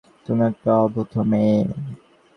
তুমি একটা অভদ্র মেয়ে।